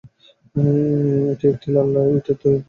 এটি একটি লাল ইটের তৈরী একতলা ভবন।